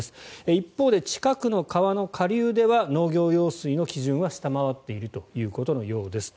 一方で、近くの川の下流では農業用水の基準は下回っているということのようです。